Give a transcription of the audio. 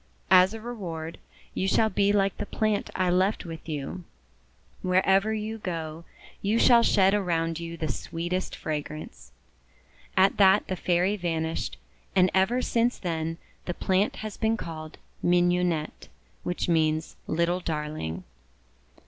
"As a reward, you shall be like the plant I left with you; wherever you go, you shall shed around you the sweetest fragrance." At that the Fairy vanished; and ever since then the plant has been called Mignonette, which means Little Darling.